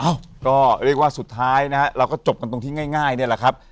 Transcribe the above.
เอ้าก็เรียกว่าสุดท้ายนะฮะเราก็จบกันตรงที่ง่ายนี่แหละครับ